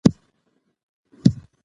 مادي ژبه فشار نه زیاتوي.